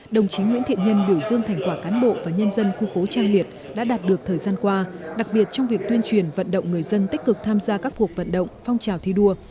đồng chí nguyễn thiện nhân biểu dương thành quả cán bộ và nhân dân khu phố trang liệt đã đạt được thời gian qua đặc biệt trong việc tuyên truyền vận động người dân tích cực tham gia các cuộc vận động phong trào thi đua